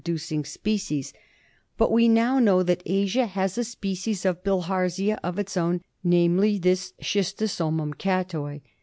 ducing species; but we now know that Asia has a species of Bilharzia of its own, namely, this Schistoso mum cattoi.